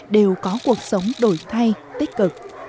đều có cuộc sống đổi thay tích cực